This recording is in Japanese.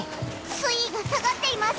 水位が下がっています。